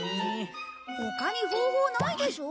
他に方法ないでしょ。